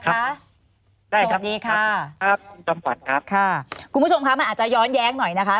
ได้ครับจบดีค่ะค่ะคุณผู้ชมค่ะมันอาจจะย้อนแย้งหน่อยนะคะ